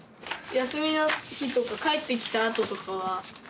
休みの日とか帰ってきたあととかは学校から。